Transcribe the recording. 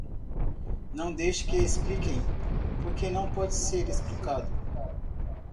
Não deixe que expliquem, porque não pode ser explicado!